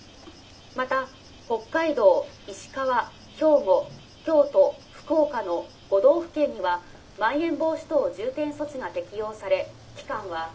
また北海道石川兵庫京都福岡の５道府県にはまん延防止等重点措置が適用され期間は」。